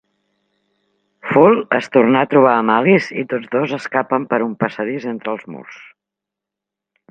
Fool es tornar a trobar amb Alice i tots dos escapen per un passadís entre els murs.